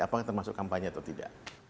apakah termasuk kampanye atau tidak